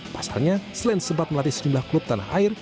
pasalnya selain sempat melatih sejumlah klub tanah air